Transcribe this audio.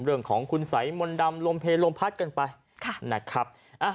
เรื่องของคุณสัยมนต์ดำลมเพลลมพัดกันไปนะครับ